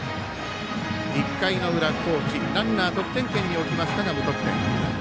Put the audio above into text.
１回の裏、高知、ランナー得点圏に置きましたが無得点。